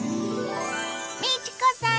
美智子さん